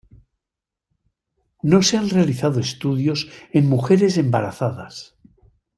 No se han realizado estudios en mujeres embarazadas.